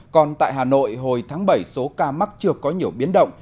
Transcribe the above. còn tại hà nội hồi tháng bảy số ca mắc chưa có nhiều biến động